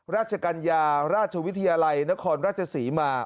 ราชกัญญาราชวิทยาลัยนครราชศรีมา